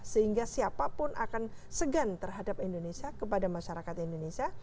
sehingga siapapun akan segan terhadap indonesia kepada masyarakat indonesia